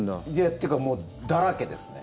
っていうかもう、だらけですね。